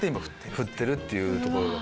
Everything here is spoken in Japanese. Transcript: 振ってるっていうところだから。